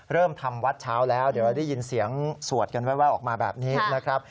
เริ่มทำวัดเช้าแล้วเดี๋ยวเราได้ยินเสียงสวดกันแววออกมาแบบนี้นะครับ